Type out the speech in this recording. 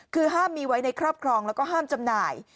คือห้ามมีไว้ในครอบครองแล้วก็ห้ามจำหน่าย